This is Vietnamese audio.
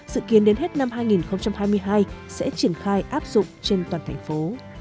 sự kiến đến hết năm hai nghìn hai mươi hai sẽ triển khai áp dụng trên toàn thành phố